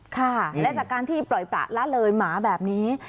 ค่ะและจากการที่ปล่อยประละเลยหมาแบบนี้